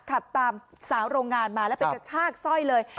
ขับตามสาวโรงงานมาแล้วไปกระชากสร้อยเลย